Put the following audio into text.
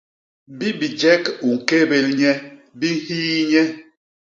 Bi bijek u ñkébél nye bi nhii nye